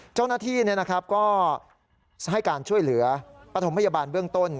เจ้าหน้าที่ก็ให้การช่วยเหลือปฐมพยาบาลเบื้องต้น